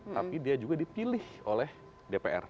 tapi dia juga dipilih oleh dpr